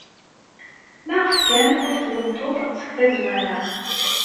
Maɣef kan ur tbedduḍ seg tazwara?